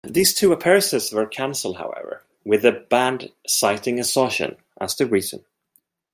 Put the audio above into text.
These two appearances were cancelled, however, with the band citing exhaustion as the reason.